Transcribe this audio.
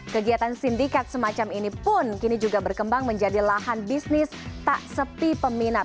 kegiatan sindikat semacam ini pun kini juga berkembang menjadi lahan bisnis tak sepi peminat